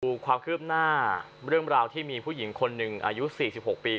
ดูความคืบหน้าเรื่องราวที่มีผู้หญิงคนหนึ่งอายุ๔๖ปี